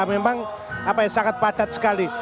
memang apa ya sangat padat sekali